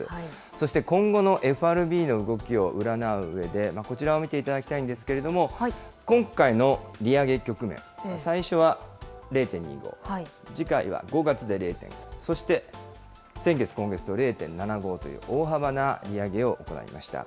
そして今後のＦＲＢの動きを占ううえで、こちらを見ていただきたいんですけれども、今回の利上げ局面、最初は０．２５、次回は５月で０．５、そして先月、今月と０．７５という大幅な利上げを行いました。